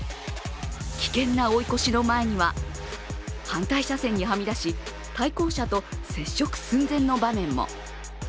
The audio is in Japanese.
危険な追い越しの前には反対車線にはみ出し、対向車と接触寸前の場面も。